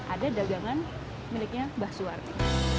ada dagangan miliknya mbah suwarti